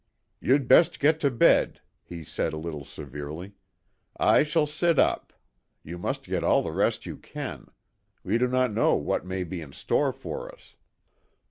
"You'd best get to bed," he said a little severely. "I shall sit up. You must get all the rest you can. We do not know what may be in store for us."